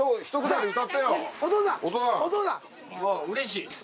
うれしい！